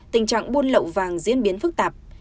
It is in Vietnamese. tình trạng buôn lậu vàng diễn biến phức tạp